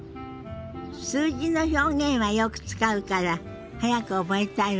数字の表現はよく使うから早く覚えたいわよね。